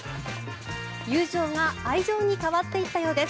友情が愛情に変わっていったようです。